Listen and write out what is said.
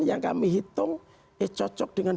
yang kami hitung cocok dengan